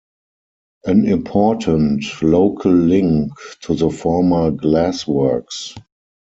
An important local link to the former glassworks.